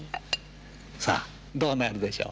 さあ、どうなるでしょう。